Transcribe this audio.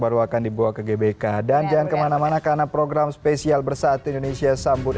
baru akan dibawa ke gbk dan jangan kemana mana karena program spesial bersatu indonesia sambut